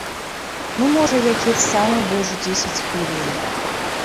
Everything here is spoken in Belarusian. Ну, можа, якіх сама больш дзесяць хвілін.